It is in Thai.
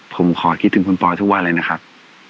ผมขอคิดถึงคุณปอยทุกวันเลยนะครับ